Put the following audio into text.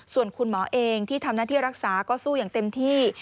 ส่วนคุณหมอเองที่ทำหน้าที่รักษาก็สู้อย่างเต็มที่